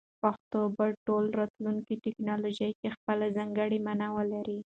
پښتو به په ټولو راتلونکو ټکنالوژیو کې خپله ځانګړې مانا ولري.